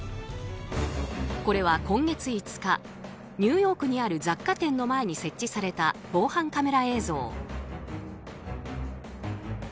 これは今月５日ニューヨークにある雑貨店の前に設置された防犯カメラ映像。